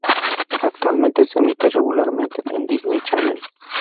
Actualmente se emite regularmente en Disney Channel.